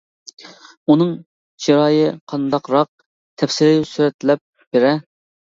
-ئۇنىڭ چىرايى قانداقراق؟ تەپسىلىي سۈرەتلەپ بېرە.